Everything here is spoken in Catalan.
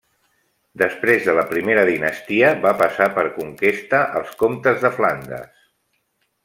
Després de la primera dinastia va passar per conquesta als comtes de Flandes.